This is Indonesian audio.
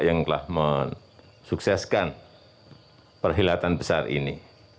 yang telah mensukseskan perhelatan besar ini